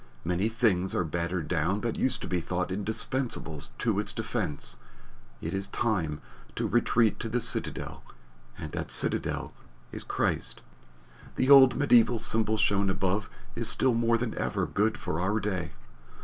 Many things are battered down that used to be thought indispensable to its defense. It is time to retreat to the citadel; and that citadel is CHRIST. The old mediæval symbol shown above is still more than ever good for our day.